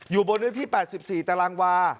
อยู่บนเนื้อที่๘๔ตารางวา